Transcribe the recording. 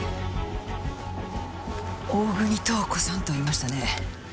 大國塔子さんと言いましたね。